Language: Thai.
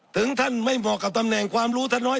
ถึงท่านไม่เหมาะกับตำแหน่งความรู้ท่านน้อย